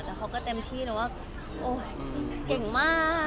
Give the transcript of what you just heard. แต่เขาก็เต็มที่แล้วว่าโอ๊ยเก่งมาก